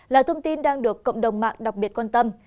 là thông tin đang được cộng đồng mạng đặc biệt quan tâm